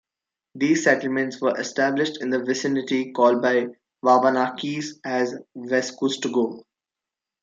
These settlements were established in the vicinity, called by the Wabanakis, as "Wescustogo".